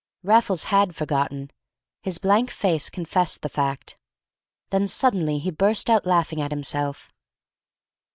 Raffles had forgotten. His blank face confessed the fact. Then suddenly he burst outlaughing at himself.